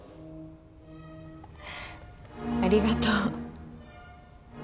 ありがとう。